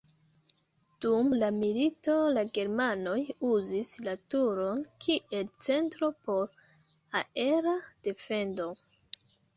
Dum la milito la germanoj uzis la turon kiel centro por aera defendo.